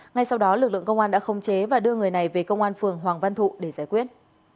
ngay sau đó lực lượng công an đã khống chế và đưa người này về công an phường hoàng văn thụ để giải quyết